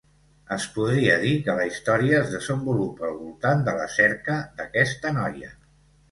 Es podria dir que la història es desenvolupa al voltant de la cerca d'aquesta noia.